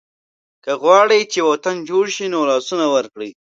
که غواړئ چې وطن جوړ شي نو لاسونه ورکړئ.